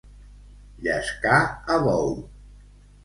Llescar a bou.